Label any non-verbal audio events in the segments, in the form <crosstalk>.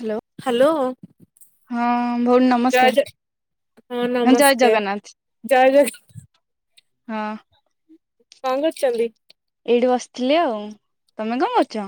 Hello hello. ହଁ ଭଉଣୀ ଜ ନମସ୍କାର। ହଁ ଜୟ ନମସ୍କାର, ଜଗନ୍ନାଥ ଜୟ ଜଗ ହଁ। କଣ କରୁଛନ୍ତି? ଏଇଠି ବସିଥିଲି ଆଉ। ତୋମେ କଣ କରୁଛ?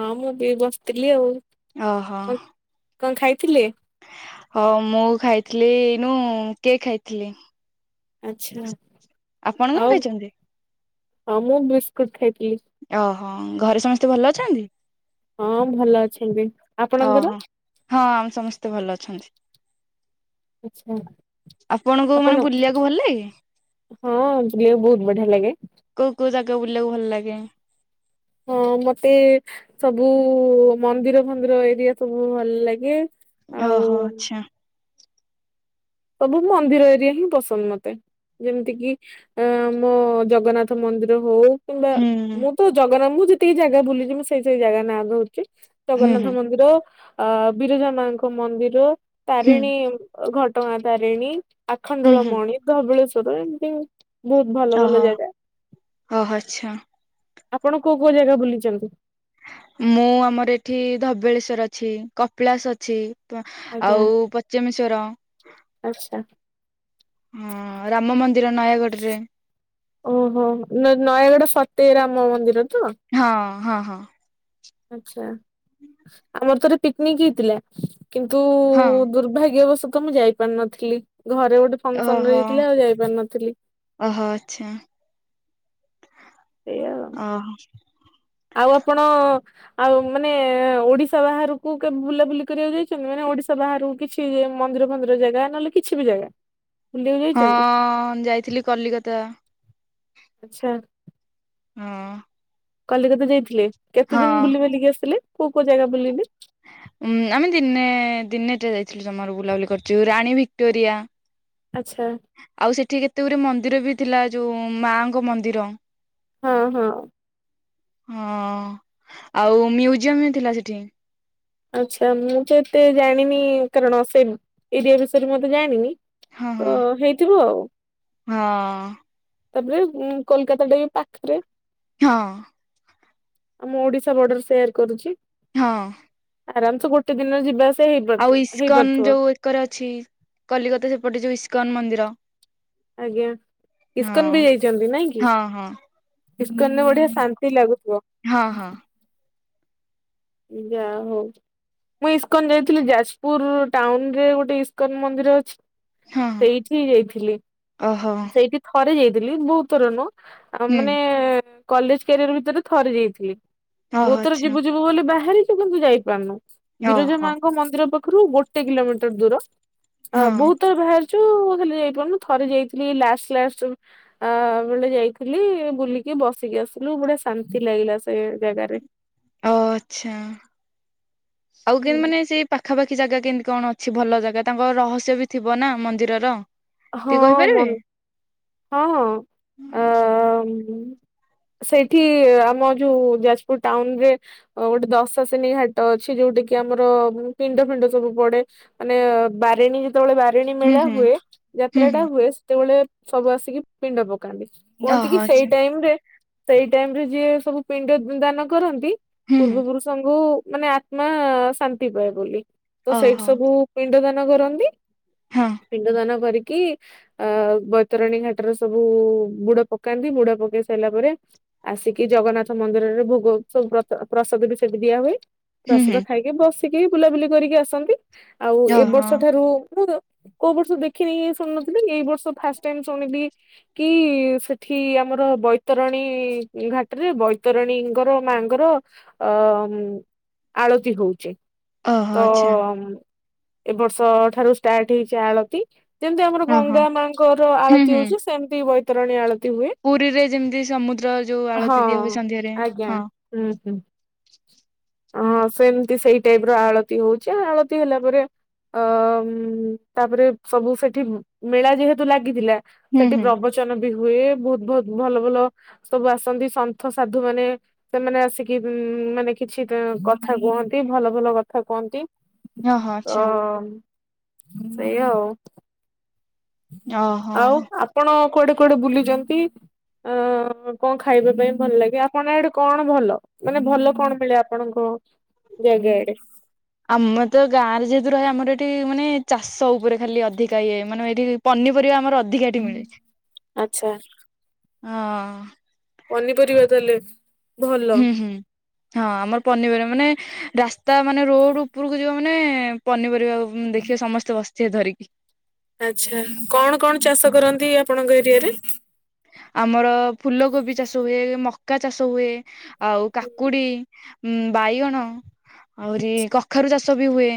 ହଁ ମୁଁ ବି ଏଇ ବସିଥିଲି ଆଉ। ଓ ହଁ। କଣ କଣ ଖାଇଥିଲେ? ହଁ ମୁଁ ଖାଇଥିଲି ଏଇନୁ କେକ୍ ଖାଇଥିଲି। ଆଚ୍ଛା। ଆପଣ କଣ ଆଉ ଖାଇଛନ୍ତି? ହଁ ମୁଁ ବିସ୍କୁଟ ଖାଇଥିଲି ଓ ହଁ ଘରେ ସମସ୍ତେ ଭଲ ଅଛନ୍ତି? ହଁ ଭଲ ଅଛନ୍ତି ଓ ଆପଣଙ୍କର? ହଁ ହଁ ଆମ ସମସ୍ତେ ଭଲ ଅଛନ୍ତି। <unintelligible> ଆପଣଙ୍କୁ ମାନେ ଆପଣ ବୁଲିବାକୁ ଭଲ ଲାଗେ? ହଁ ବୁଲିବାକୁ ବହୁତ ବଢିଆ ଲାଗେ। କ ବୁଲିଵାକୁ ଭଲ ଲାଗେ। ହଁ। ହଁ ମୋତେ ସବୁ ମନ୍ଦିର ଫନ୍ଦିର ଏରିଆ ସବୁ ଭଲ ଲାଗେ। ଓହୋ ଆଉ ଆଛା। ସବୁ ମନ୍ଦିର ଏରିଆ ହିଁ ପସନ୍ଦ ମତେ। ଯେମିତି କିି ଆମ ଜଗନ୍ନାଥ ମନ୍ଦିର ହଉ । କିମ୍ବା ହୁଁ ମୁଁ ତ ଜଗନ୍ନା ମୁ ଯେତିକି ଜାଗା ବୁଲିଛି ମୁଁ ସେଇ ସେଇ ଜାଗା ନାଁ ଧରୁଛି। ହୁଁ ହୁଁ ଜଗନ୍ନାଥ ମନ୍ଦିର, ଆ ବିରଜା ମାଙ୍କ ମନ୍ଦିର, ହୁଁ ତାରିଣୀ। ଘଟଗାଁ ତାରିଣୀ, ହୁଁ ହୁଁ ଆଖଣ୍ଡଳମଣି, ଧବଳେଶ୍ଵର ଏମିତି ଆଉ । ବହୁତ ଭଲ ଓହୋ। ଭଲ ଜାଗା । ଓହୋ ଆଚ୍ଛା ଆପଣ କୋଉ କୋଉ ଜାଗା ବୁଲିଛନ୍ତି? ମୁଁ ଆମର ଏଠି ଧବଳେଶ୍ଵର ଅଛି, କପିଳାସ ଅଛି । ଆଜ୍ଞା ଆଉ ପଚେମେଶ୍ୱର। ଆଚ୍ଛା। ହଁ ରାମ ମନ୍ଦି ଓହୋ ନ ନୟାଗଡ ଫତେରାମ ମନ୍ଦିର। ହଁ ହଁ ହଁ। ଆଛା, ଆମର ଥରେ ପିକନିକ ହେଇଥିଲା। କିନ୍ତୁ ହଁ ଦୁର୍ଭାଗ୍ୟବଶତଃ ମୁଁ ଯାଇପାରିନଥିଲି। ଘରେ ଗୋଟେ ଫଙ୍ଗସନ ରହି ଓହୋ ଯାଇଥିଲା ଆଉ ଯାଇପାର ନଥିଲି। ଅ ହ। ଆଉ ଆପଣ ଆଉ ମାନେ ଓଡିଶା ବାହାରକୁ କେବେ ବୁଲାବୁଲି କରିବାକୁ ଯାଇଛନ୍ତି? ମାନେ ଓଡିଶା ବାହରକୁ କିଛି ମନ୍ଦିର ଫନ୍ଦିର ଜାଗା ନହେଲେ କିଛି ବି ଜାଗା। ବୁଲିବାକୁ ହଁ ଯାଇଛନ୍ତି? ଯାଇଥିଲି କଲିକତା। ଆଚ୍ଛା ହଁ । କଲିକତା ଯାଇଥିଲେ, କେତେ ଦିନ ବୁଲି ବାଲିକି ଆସିଲେ, କୋଉ କୋଉ ଜାଗା ବୁଲିଲେ? ଉଁ ଆମେ ଦିନେ ଦିନେଟେ ଯାଇଥିଲୁ ଜମାରୁ ବୁଲାବୁଲି କରିୁଛୁ, ରାଣୀ ଭିକ୍ଟୋରିଆ । ଆଚ୍ଛା ଆଉ ସେଠି କେତେ ଗୁରେ ମନ୍ଦିର ବି ଥିଲା, ଯୋଉ ମାଙ୍କ ମନ୍ଦିର । ହଁ ହଁ। ହଁ, ଆଉ ମ୍ୟୁଜିୟମ ବି ଥିଲା ସେଠି। ଆଛା ମୁଁ ତ ଏତେ ଜାଣିନି, କାରଣ ସେ ଏରିଆ ବିଷୟରେ ମୁଁ ଏତେ ଜାଣିନି। ହଁ ତ ହଁ ହେଇଥିବ ଆଉ ହଁ । ତାପରେ କୋଲକାତା ଟା ବି ପାଖରେ। ହଁ। ଆମ ଓଡିଶା ବର୍ଡର ସେୟାର କରୁଛି। ହଁ । ଆରାମସେ ଗୋଟେ ଦିନ ଯିବା ଆସି ଆଉ ଇସ୍କନ ଯୋଉ ଏକରେ ଅଛି, କଲିକତା ସେପଟେ ଯୋଉ ଇସ୍କନ ମନ୍ଦିର। ଆଜ୍ଞା ହଁ ଇସ୍କନ ବି ଯାଇଛନ୍ତି, ନାଇଁ କି? ହଁ ହଁ ଇସ୍କନ ରେ ବଢିଆ ଶାନ୍ତି ଲାଗୁ ହଁ ହଁ ଯା ହଉ। ମୁଁ ଇସ୍କନ ଯାଇଥିଲି, ଯାଜପୁର ଟାଉନ ରେ ଗୋଟେ ଇସ୍କନ ମନ୍ଦିର ଅଛି। ହଁ ସେଇଠିି ଯାଇଥିଲି, ଓହୋ ସେଇଠି ଥରେ ଯାଇଥିଲି ବହୁତଥର ନୁହଁ। ଆ ହୁଁ ମାନେ କଲେଜ କ୍ୟାରିଅର ଭିତରେ ଥରେ ଯାଇଥିଲି, ବହୁତ ଓହୋ ଥର ଆଚ୍ଛା ଯିବୁ ଯିବୁ ବୋଲି । ବାହାରିଛୁ କିନ୍ତୁ ଯାଇପାରୁନୁ ବିରଜା ଓହୋ ମାଙ୍କ ମନ୍ଦିର ପାଖରୁ ଗୋଟେ କିଲୋମିଟର ଦୂର। ଅ ହଁ ବହୁତ ଥର ଭାରି ଚୁ ହେଲେ ଯାଇପାରୁନୁ, ଥରେ ଯାଇଥିଲି ଲାଷ୍ଟ ଲାଷ୍ଟ ଆ ବେଳେ ଯାଇଥିଲି ବୁଲି କି ବସିକି ଆସିଲୁ ବଢିଆ ଶାନ୍ତି ଲାଗିଲା ସେ ଜାଗାରେ। ଓ ଆଛା ଆଉ କେବେ ମାନେ ସେ ପାଖାପା ଖି ଜାଗା କେମତି କଣ ଅଛି ଭଲ ଜାଗା? ତାଙ୍କର ରହସ୍ୟ ବି ଥିବ ନା ମନ୍ଦିରର। ହଁ ଟିକେ ମ କହିପାରିବେ? ହଁ ହଁ ଆ ମ। ସେଇଠି ଆମ ଯୋଉ ଯାଜପୁର ଟାଉନ ରେ ଗୋଟେ ଦଶଶିନୀ ଘାଟ ଅଛି, ଯୋଉଟାକିି ଆମ । ଆମର ପିଣ୍ଡ ଫିଣ୍ଡ ସବୁ ପଡେ ମାନେ-ଏ-ଏ ବାରେଣୀ ଯେତେବେଳେ ବାରିଣୀ ହୁଁ ମେଳା ହୁଁ ହୁଏ ହୁଁ ଯାତ୍ରା ଟା ହୁଁ ହୁଏ ସେତେବେଳେ ସବୁ ଆସିକି ପିଣ୍ଡ ପକା ନ୍ତି କୁହନ୍ତି ଓହୋ କି ସେଇ ଆଚ୍ଛା। ଟାଇମ ରେ ସେଇ ଟାଇମ ରେ ଯିଏ ସବୁ ପିଣ୍ଡ ଦାନ କରନ୍ତି। ହୁଁ ହୁଁ ପୂର୍ବ ପୁରୁଷଙ୍କୁ ମାନେ ଆତ୍ମା ଶାନ୍ତି ପାଏ ବୋଲି। ତ ସେଇଠି ଓହୋ ସବୁ ପିଣ୍ଡ ଦାନ କରନ୍ତି। ହଁ ପିଣ୍ଡ ଦାନ କରିକି କି ଅ-ଅ-ଅ ବୈତରଣୀ ଘାଟରେ ସବୁ-ଉ-ଉ-ଉ ବୁଡ ପକାନ୍ତି ବୁଡ ପକେଇ ସାରିଲା ପରେ ଆସିକି ଜଗନ୍ନାଥ ମନ୍ଦିରରେ ଭୋଗ ସବୁ ପ୍ରଦ ପ୍ରସାଦ ବି ସେଠି ଦିଆ ହୁଏ। ହୁଁ ପ୍ରସାଦ ହୁଁ ଖାଇକି ବସିକି ବୁଲାବୁଲି କରିକି ଆସନ୍ତି। ଆଉ ଏ ଓହୋ ବର୍ଷ ଠାରୁ <unintelligible> କୋଉ ବର୍ଷରୁ ଦେଖିନି-ଇ-ଇ ଶୁଣୁ ନଥିଲି ଏଇ ବର୍ଷ ଫାଷ୍ଟ ଟାଇମ ଶୁଣିଲି କି-ଇ-ଇ-ଇ ସେଠି ଆମର ବୈତରଣୀ ଘାଟରେ ବୈତରଣୀଙ୍କର ମାଙ୍କର ଅ-ଅ-ଅ ଆଳତି ହଉଚି। ଓହୋ ଆଚ୍ଛା ତ-ଅ-ଅ ଏ ବର୍ଷ ଠାରୁ ଷ୍ଟାର୍ଟ ହେଇଛି ଆଳତି। ଯେମିତି ଆମର ଓହୋ ଗଙ୍ଗା ମାଙ୍କର ହୁଁ ଆଳତି ହୁଁ ହଉଛି ସେମିତି ବୈତରଣୀ ଆଳତି। ହୁଏ ପୁରୀରେ ଯେମିତି ସମୁଦ୍ର ଯୋଉ ଆଳତି ଦିଆ ହୁଏ ହଁ ସନ୍ଧ୍ୟାରେ ଆଜ୍ଞା ହଁ ହୁଁ ହୁଁ। <inaudible> ହଁ ସେମିତି ସେଇ ଟାଇପ ର ଆଳତି ହଉଛି ଆଳତି ହେଲା ପରେ ଅ-ଅ-ଅ-ମ୍-ମ୍ ତାପରେ ସବୁ ସେଠି ମେଳା ଯେହେତୁ ଲାଗିଥିଲା ହୁଁ ସେଠି ହୁଁ ପ୍ରବଚନ ବି ହୁଏ ବହୁତ ବହୁତ ଭଲ ଭଲ ସବୁ ଆସନ୍ତି ସନ୍ଥ ସାଧୁ ମାନେ। ସେମାନେ ଆସିକି ହଁ ମାନେ କି କିଛି ଅ କଥା କୁହନ୍ତି ଭଲ ଭଲ କଥା କୁହନ୍ତି। ଓହୋ ଆଚ୍ଛା ତ-ଅ-ଅ ସେଇଆ ଆଉ। ଓହୋ ଆଉ ଆପଣ କୁଆଡେ କୁଆଡେ ବୁଲିଛନ୍ତି? ଅ-ଅ-ଅ କଣ ଖାଇବା ପାଇଁ ଭଲ ଲାଗେ। ଆପଣ ଆଡେ କଣ ଭଲ, ମାନେ ଭଲ କଣ ମିଳେ ଆପଣଙ୍କ ଙ୍କ ଜାଗା ଆଡେ। ଆମର ତ ଗାଁ ରେ ଯେହେତୁ ରହେ ଆମର ଏଠି ମାନେ ଚାଷ ଉପରେ ଖାଲି ଅଧିକା ଇଏ ମାନେ ଏଇଠି ପନିପରିବା ଆମର ଅଧିକା ଏଠି ମିଳେ ହ ଆଚ୍ଛା। ହଁ। ପନିପରିବା ତାହେଲେ ଭଲ। ହୁଁ ହୁଁ ହଁ ଆମର ପନିପରିବା ମାନେ ରାସ୍ତା ମାନେ ରୋଡ ଉପରକୁ ଯିବା ମାନେ-ଏ-ଏ ପନିପରିବା ଦେଖିବେ ସମସ୍ତେ ବସ ଥିବେ ଧରିକି। ଆଚ୍ଛା କଣ କଣ ଚାଷ କରନ୍ତି ଆପଣଙ୍କ ଏରିଆରେ? ଆମର ଫୁଲ କୋବି ଚାଷ ହୁଏ, ମକା ଚାଷ ହୁଏ। ଆଉ କାକୁଡି ଉ ବାଇଗଣ ଆହୁରି ଆଚ୍ଛା, କଖାରୁ ଚାଷ ବି ହୁଏ,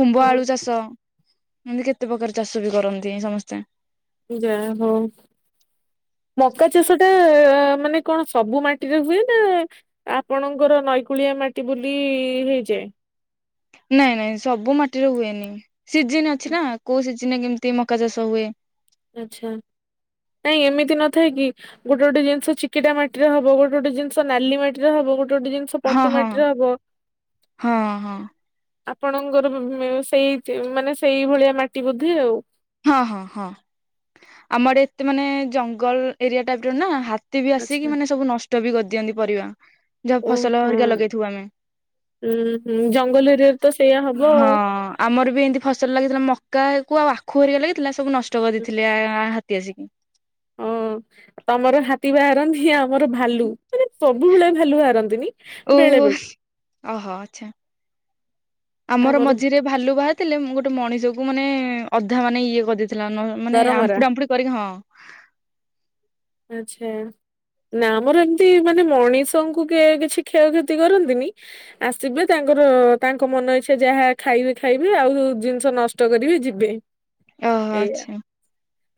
ଖୁମ୍ଭ ହଁ ଆଳୁ ଚାଷ। ଏମତି କେତେ ପ୍ରକାର ଚାଷ ବି କରନ୍ତି ସମସ୍ତେ। ଜାହା ହଉ। ମକା ଚାଷ ଟା-ଆ-ଆ-ଆ ଆ ମାନେ କଣ ସବୁ ମାଟିରେ ହୁଏ ନା ଆପଣଙ୍କର ନଈକୁଳିଆ ମାଟି ବୋଲି-ଇ-ଇ-ଇ ଇଯାଏ। ନାଇଁ ନାଇଁ ସବୁ ମାଟିରେ ହୁଏନି। ସିଜିନ୍ ଅଛି ନା କୋଉ ସିଜ କିଚିନା କେମିତି ମକା ଚାଷ ହୁଏ। ଆଚ୍ଛା। ନାଇଁ ଏମିତି ନଥାଏ କି ଗୋଟେ ଗୋଟେ ଜିନିଷ ଚିକିଟା ମାଟି ର ହବ ଗୋଟେ ଗୋଟେ ଜିନିଷ ନାଲି ମାଟିରେ ହବ ଗୋଟେ ଗୋଟେ ଗୋଟେ ଜିନିଷ ହଁ ପଟୁ ହଁ ମାଟିରେ ହବ। ହଁ ହଁ ଆପଣଙ୍କର ମ୍-ମ୍-ମ୍ ସେଇ ମାନେ ସେଇ ଭଳିଆ ମାଟି ବୋଧେ ଆଉ। ହଁ ହଁ ହଁ ଆମରେ ଏତେ ମାନେ ଜଙ୍ଗଲ ଏରିଆ ଟାଇପ ର ନା ହା ହାତୀ ବି ଆସିକି ଆଚ୍ଛା ମାନେ ସବୁ ନଷ୍ଟ ବି କରିଦିଅନ୍ତି ପରିବା। ଯାହା ଫସଲ ହରିକା ଲଗେଇଥିବୁ ଆମେ। ଉୁଁ ହୁଁ ଜଙ୍ଗଲ ଏରିଆରେ ତ ସେଇୟା ହବ। ହଁ ଆମର ବି ଏମିତି ଫସଲ ଲାଗିଥିଲା। ମକା କୁ ଆଉ ଆଖୁ ହରିକା ଲାଗିଥିଲା ସବୁ ନଷ୍ଟ କରିଦେଇଥିଲେ ଆ ହାତୀ ଆସିକି। ହଁ ତମର ହାତୀ ବାହାରନ୍ତି ଆମର ଭାଲୁ। ମାନେ ସବୁବେଳେ ଭାଲୁ ବାହାରନ୍ତିନି ବେଳେ ଓହୋ ବେଳେ। ଓହୋ ଆଚ୍ଛା। ଆମର ମଝିରେ ଭାଲୁ ବାହାରିଥିଲେ। ମୁଁ ଗୋଟେ ମଣିଷକୁ ମାନେ ଅଧା ମାନେ ଇଏ କରିଦେଇ ଥିଲା ମାନେ ଦରମରା ଆମ୍ପୁଡି ଆମ୍ପୁଡି କରିକି ହଁ। ଆଚ୍ଛା। ନା ଆମର ଏମିତି ମାନେ ମଣିଷଙ୍କୁ କେ କିଛି କ୍ଷୟକ୍ଷତି କରନ୍ତିନି। ଆସିବେ ତା ତାଙ୍କର ତାଙ୍କ ମନ ଇଚ୍ଛା ଯାହା ଖାଇବେ ଖାଇବେ। ଆଉ ଜିନିଷ ନଷ୍ଟ କରିବେ ଯିବେ। ଓ ହ ଆଛା।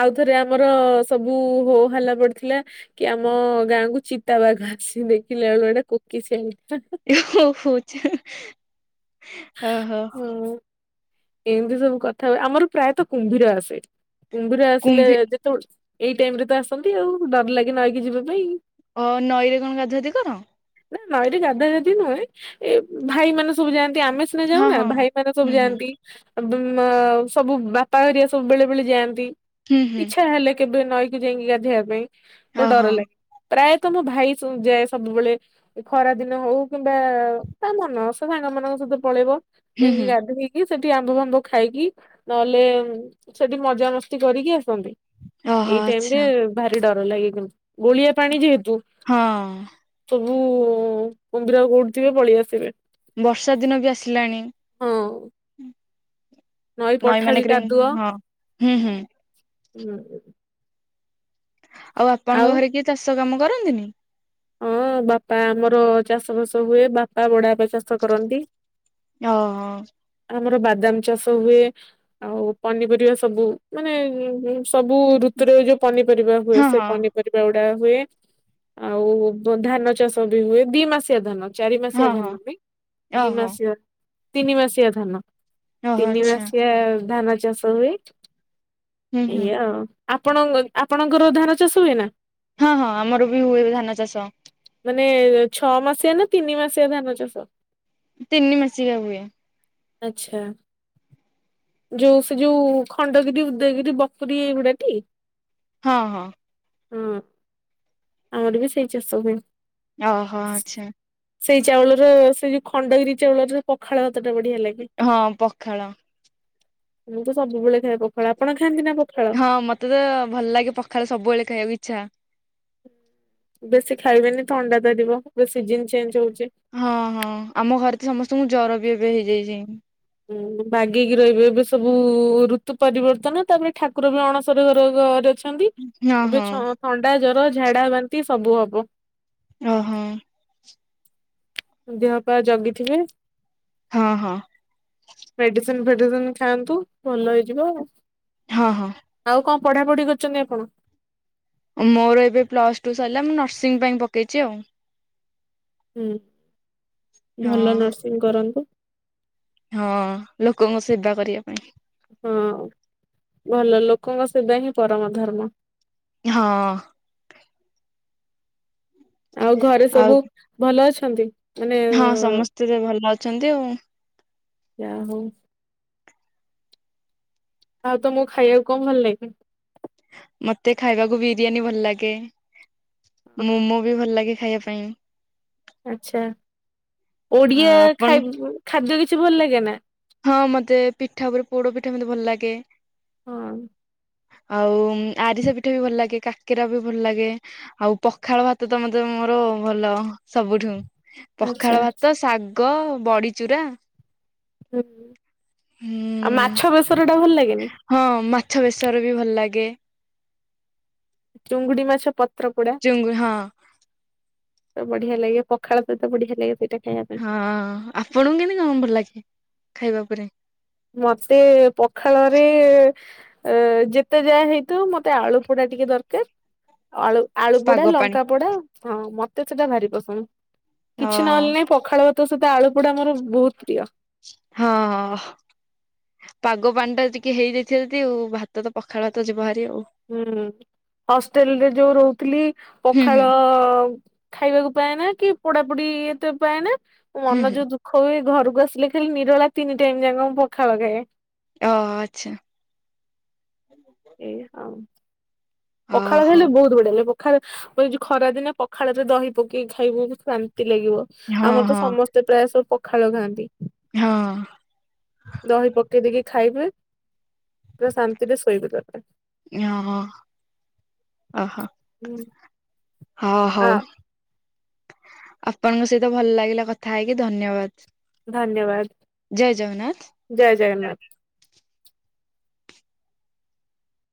ଆଉଥରେ ଆମର ସବୁ ହୋ ହାଲ୍ଲା ପଡିଥିଲା। କି ଆମ ଗାଁ କୁ ଚିତାବାଘ ଆସିଚି ଦେଖିଲା ବେଳୁ ଏଟା କୋକିଶିଆଳ <unintelligible> ଅ ହୋ। ହଁ ଏମିତି ସବୁ କଥା ହୁଏ ।ଆମର ପ୍ରାୟତଃ କୁମ୍ଭୀର ଆସେ କୁମ୍ଭୀର ଆସିଲେ କୁମ୍ଭୀ ଯେତେବେଳେ ଏଇ ଟାଇମ ରେ ତ ଆସନ୍ତି ଆଉ ।ଡର ଲାଗେ ନଈକି ଯିବା ପାଇଁ। ଓ ନଈରେ କଣ ଗାଧୁଆଗାଧି କର। ନା ନା ଏଠି ଗାଧା ଗାଧି ନୁହେଁ। ଏ ଭାଇ ମାନେ ସବୁ ଯାଆ ନ୍ତି, ଆମେ ସିନା ହଁ ଯାଉନା ହଁ। ଭାଇମାନେ ହୁଁ ସବୁ ହୁଁ ଯାଆନ୍ତି। ଉ ବୁ ଅ ସବୁ ବାପା ହେରିଆ ସବୁ ବେଳେ ବେଳେ ଯାଆନ୍ତି ହୁଁ ହୁଁ ଇଛା ହେଲେ। କେବେ ନଈକି ଯାଇକି ଗାଧେଇବା ପାଇଁ ତ ଓହୋ ଡର ଲାଗେ। ପ୍ରାୟତ ମୋ ଭାଇ ସ ଯାଏ ସବୁବେଳେ ।ଖରା ଦିନ ହଉ କିମ୍ବା ତା ମନ ସେ ସାଙ୍ଗ ମାନଙ୍କ ସହିତ ପଳେଇବ, ହୁଁ ଯାଇଙ୍କି ହୁଁ ଗାଧେଇକି ସେଠି ଆମ୍ବ ଫାମ୍ବ ଖାଇକି, ନହେଲେ ସେଠି ମଜାମସ୍ତି କରିକି ଆସ ସନ୍ତି, ଓହୋ ଏଇ ଟାଇମ୍ରେ ଆଚ୍ଛା। ଭାରି ଡର ଲାଗେ କିନ୍ତୁ, ଗୋଳିଆ ପାଣି ଯେହେତୁ ହଁ। ଉଁ କୁମ୍ଭୀର କୋଉଠିଥିବେ ପଳେଇ ଆସିବେ। ବର୍ଷା ଦିନ ବି ଆସିଲାଣି। ହଁ ନଈ ପଠା ବି ମାନଙ୍କରେ କାଦୁଅ। ହଁ। ହୁଁ ହୁଁ ଆଉ ଆପଣଙ୍କ ଘରେ କିଏ ଚାଷ କାମ କରନ୍ତିନି। ହଁ ବାପା ଆମର ଚାଷବାସ ହୁଏ ।ବାପା ବଢବାପା ଚାଷ କରନ୍ତି। ଓହୋ ଆ ଆମର ବାଦାମ ଚାଷ ହୁଏ ।ଆଉ ପନିପରିବା ସବୁ ମାନେ ଉଁ ହୁଁ ସବୁ ଋତୁରେ ଯୋଉ ପନିପରିବା ହୁଏ, ହଁ ସେ ହଁ ପନିପରିବା ଗୁଡା ହୁଏ। ଅ ଆଉ ବୁ ଧାନ ଚାଷ ବି ହୁଏ ଦି ମାସିଆ ଧାନ। ଚାରିମାସିଆ ହଁ ଧାନ ହଁ ନୁହେଁ, ଦି ଓହୋ ମାସିଆ ତିନି ମାସିଆ ଧାନ। ଓହୋ ତିନି ଆଚ୍ଛା ମାସିଆ ଧାନ ଚାଷ ହୁଏ ହୁଁ ହୁଁ। ଏଇଆ ଆଉ। ଆପଣଙ୍କ ଆପଣଙ୍କର ଧାନ ଚାଷ ହୁଏ ନା। ହଁ ହଁ ଆମର ବି ହୁଏ ଧାନ ଚାଷ। ମାନେ ଛଅ ମାସିଆ ନା ତିନି ମାସିଆ ଧାନ ଚାଷ। ତିନି ମାସିକିଆ ହୁଏ। ଆଚ୍ଛା। ଯୋଉ ସେ ଯୋଉ ଖଣ୍ଡଗିରି ଉଦୟଗିରି ବଖରିୀ ଏଇଗୁଡାଟି। ହଁ ହଁ। ହଁ ଆମର ବି ସେଇ ଚାଷ ହୁଏ। ଓହୋ ଆଛା। ସେଇ ଚାଉଳର, ସେଇ ଯୋଉ ଖଣ୍ଡଗିରି ଚାଉଳରେ ପଖାଳ ଟା ବଢିଆ ଲାଗେ। ହଁ ପଖାଳ। ମୁଁ ତ ସବୁବେଳେ ଖାଏ ପଖାଳ ଆପଣ ଖା ହଁ ମତେ ତ ଭଲ ଲାଗେ ପଖାଳ ସବୁବେଳେ ଖାଇବାକୁ ଇଛା। ବେଶୀ ଖାଇବେନି ଥଣ୍ଡା ଧରିବ। ଏବେ ସିଜନ ଚେଞ୍ଜ ହଉଛି। ହଁ ହଁ ଆମ ଘରେ ତ ସମସ୍ତଙ୍କୁ ଜର ବି ଏବେ ହେଇଯାଇଛି। ହୁଁ ବାଗେଇକି ରହିବେ ଏବେ ସବୁ ଋତୁ ପରିବର୍ତ୍ତନ ତାପରେ ଠାକୁର ବି ଅଣସର ଘର ଘରେ । ଅଛନ୍ତି ହଁ ଏବେ ହଁ ଥଣ୍ଡା ଜର ଝାଡ଼ା ବାନ୍ତି ସବୁ ହବ। ଓହୋ। ଦେହପା ଜଗିଥିବେ। ହଁ ହଁ। ମେଡିସିନ ଖାଆନ୍ତୁ ଭଲ ହେଇଯିବ । ହଁ ହଁ। ପଢ଼ାପଢ଼ି କରୁଚନ୍ତି ଆପଣ? ମୋର ଏବେ ପ୍ଲସ ଟୁ ସରିଲା ମୁଁ ନର୍ସିଂ ପାଇଁ ପକେଇଛି ଆଉ। ହୁଁ ଭଲ ହଁ ନର୍ସିଂ କରନ୍ତୁ। ହଁ ଲୋକଙ୍କ ସେବା କରିବା ପାଇଁ। ହଁ ଭଲ ଲୋକଙ୍କ ସେବା ହିଁ ପରମ ଧର୍ମ। ହଁ। ଆଉ ଘରେ ଆଉ ସବୁ ଭଲ ଅଛନ୍ତି? ମାନେ ହଁ ସମସ୍ତେ ଯେ ଭଲ ଅଛନ୍ତି ଆଉ। ଯା ହଉ। ଆଉ ତମକୁ ଖାଇବାକୁ କଣ ଭଲ ଲାଗେ? ମତେ ଖାଇବାକୁ ବିରିୟାନୀ ଭଲ ଲାଗେ ମୋମୋ ବି ଭଲ ଲାଗେ ଖାଇବା ପାଇଁ। ଆଛା ଓଡ଼ିଆ ଆପଣ ଖାଇ ଖାଦ୍ୟ କିଛି ଭଲ ଲାଗେନା? ହଁ ମତେ ପିଠା ଉପରେ ପୋଡ ପିଠା ମତେ ଭଲ ଲାଗେ। ହଁ। ଆଉ ଆରିସା ପିଠା ବି ଭଲ ଲାଗେ କାକେରା ବି ଭଲ ଲାଗେ ଆଉ ପଖାଳ ଭାତ ତ ମତେ ମୋର ଭଲ ସବୁଠୁ। ଆଚ୍ଛା ପଖାଳ ଭାତ ଶାଗ ବଡ଼ିଚୁରା। ହୁଁ ଆଉ ମାଛ ବେସର ଟା ଭଲ ଲାଗେନି? ହଁ ମାଛ ବେସର ବି ଭଲ ଲାଗେ। ଚୁଙ୍ଗୁଡ଼ି ମାଛ ପ ଚୁଙ୍ଗୁଡି ହଁ। ତ ବଢ଼ିଆ ଲାଗେ ପଖାଳ ସହିତ ବଢ଼ିଆ ଲାଗେ ସେଇଟା। ଖାଇବା ପାଇଁ ହଁ ଆପଣଙ୍କୁ କେମତି କଁ ଭଲ ଲାଗେ ଖାଇବା ଉପରେ। ମତେ ପଖାଳରେ ଯେତେ ଯା ହେଇ ଥାଉ ମତେ ଆଳୁ ପୋଡ଼ା ଟିକେ ଦରକାର ଆଳୁ ଆଳୁ ପୋଡ଼ା ପାଗ ପାଣି ଲଙ୍କା ପୋଡ଼ା। ହଁ ମତେ ସେଟା ଭାରି ପସନ୍ଦ ଅ କିଛି ନହଲେ ନାହି ପଖାଳ ଭା ତ ସହିତ ଆଳୁ ପୋଡ଼ା ମୋର ବହୁତ ପ୍ରିୟ। ହଁ ହଁ । ପାଗ ପାଣି ଟା ଟିକେ ହେଇଯାଇଥିବ ଯଦି ଓ ଭାତ ତ ପଖାଳ ଭାତ ଯିବ ହାରି । ହୁଁ। ହଷ୍ଟେଲ ରେ ଯୋଉ ରହୁଥିଲି ହୁଁ ହୁଁ ପଖାଳ ଖାଇବାକୁ ପାଏନା କି । ପୋଡାପୋଡି ଏତେ ପାଏନା ମୋ ହୁଁ ମନ ହୁଁ ଯୋଉ ଦୁଃଖ ହୁଏ ଘରୁ କୁ ଆସିଲେ ଖାଲି ନିରୋଳା ତିନି ଟାଇମ୍ ଯାକ ମୁଁ ପଖାଳ ଖାଏ। ଓହ ଆଚ୍ଛା। ଏଇଆ ଆଉ। ଓ ପଖାଳ ଖାଇଲେ ହଉ ବହୁତ ବଢ଼ିଆ ଲାଗେ ପଖାଳ ମୁଁ ଏ ଯୋଉ ଖରା ଦିନେ ପଖାଳ ରେ ଦହି ପକେଇକି ଖାଇବି କି ଶାନ ନ୍ତି ଲାଗିବ ହଁ ଆମର ତ ହଁ ସମସ୍ତେ ପ୍ରାୟ ସବୁ ପଖାଳ ଖାଆନ୍ତି। ହଁ ଦହି ପକେଇ ଦେଇକି। ଖାଇବେ ପୁରା ଶାନ୍ତିରେ ଶୋଇବେ ତାପରେ । ହଁ ହଁ ଓହୋ। ହୁଁ ହଁ ହଉ ଆ ଆପଣଙ୍କ ସହିତ ଭଲ ଲାଗିଲା କଥା ହେଇକି ଧନ୍ୟବାଦ। ଧନ୍ୟବାଦ। ଜୟ ଜଗନ୍ନାଥ। ଜୟ ଜଗନ୍ନାଥ।